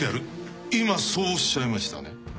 今そうおっしゃいましたね。